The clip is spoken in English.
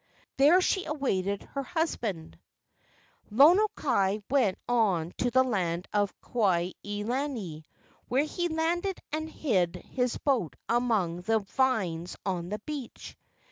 There she awaited her husband. KE AU NINI 215 Lono kai went on to the land of Kuai he lani, where he landed and hid his boat among the vines on the beach.